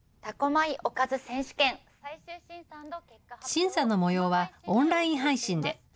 審査のもようはオンライン配信で。